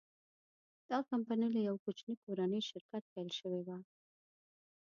دا کمپنۍ له یوه کوچني کورني شرکت پیل شوې وه.